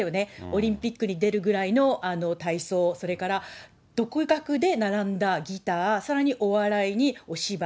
オリンピックに出るぐらいの体操、それから独学で学んだギター、さらにお笑いにお芝居。